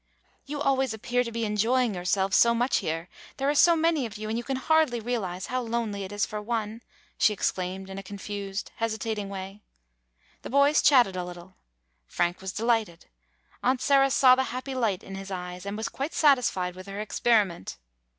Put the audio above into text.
"You always appear to be enjoying your selves so much here — there are so many of you [ 104 ] GONE ASTRAY and you can hardly realize how lonely it is for one/' she exclaimed in a confused, hesitating way. The boys chatted a little. Frank was de lighted. Aunt Sarah saw the happy light in his eyes, and was quite satisfied with her ex periment.